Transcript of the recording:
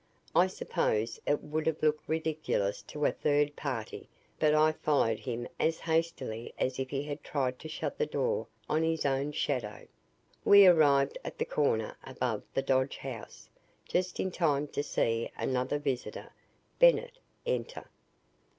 I suppose it would have looked ridiculous to a third party but I followed him as hastily as if he had tried to shut the door on his own shadow. We arrived at the corner above the Dodge house just in time to see another visitor Bennett enter.